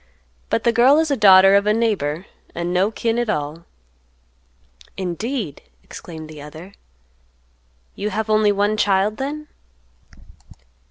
But the girl is a daughter of a neighbor, and no kin at all." "Indeed!" exclaimed the other, "you have only one child then?"